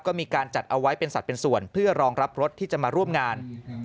ก็มีการจัดเอาไว้เป็นสัตว์เป็นส่วนเพื่อรองรับรถที่จะมาร่วมงาน